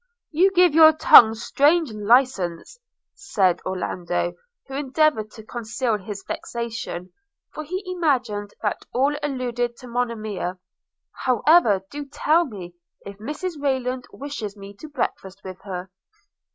'You give your tongue strange license,' said Orlando, who endeavoured to conceal his vexation, for he imagined that all alluded to Monimia. 'However, do tell me, if Mrs Rayland wishes me to breakfast with her?'